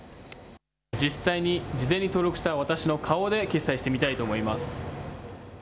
実際に事前に登録した私の顔で決済してみたいと思います。